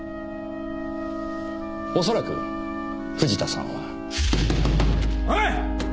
おそらく藤田さんは。おい！